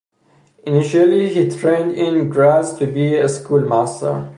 Initially he trained in Graz to be a schoolmaster.